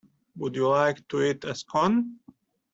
Would you like to eat a Scone?